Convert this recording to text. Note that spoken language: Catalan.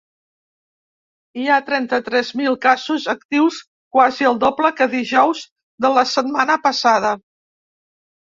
Hi ha trenta-tres mil casos actius, quasi el doble que dijous de la setmana passada.